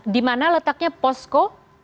di mana letaknya posko